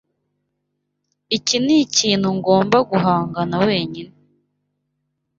Iki nikintu ngomba guhangana wenyine.